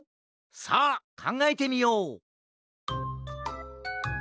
さあかんがえてみよう！